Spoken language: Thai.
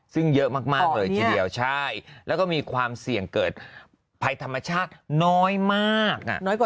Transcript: ซึ่งเยอะมากเลยทีเดียวใช่แล้วก็มีความเสี่ยงเกิดภัยธรรมชาติน้อยมาก